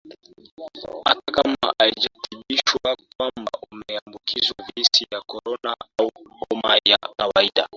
Hata kama haijathibitishwa kwamba umeambukizwa Virusi vya Korona au homa ya kawaida